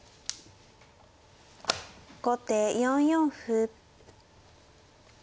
後手４四歩。